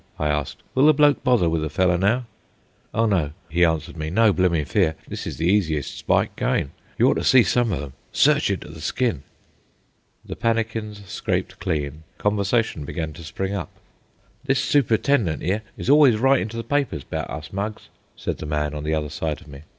I asked. "Will the bloke bother with a fellow now?" "Oh no," he answered me. "No bloomin' fear. This is the easiest spike goin'. Y'oughto see some of them. Search you to the skin." The pannikins scraped clean, conversation began to spring up. "This super'tendent 'ere is always writin' to the papers 'bout us mugs," said the man on the other side of me.